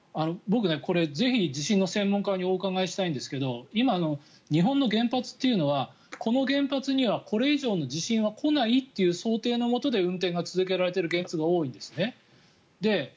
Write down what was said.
僕、ぜひ地震の専門家にお伺いしたいんですけれど今、日本の原発というのはこの原発にはこれ以上の地震は来ないという想定のもとで運転が続けられている原発が多いんですね。